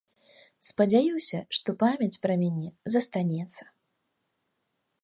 Спадзяюся, што памяць пра мяне застанецца.